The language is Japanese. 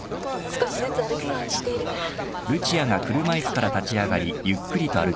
少しずつ歩くようにしているから。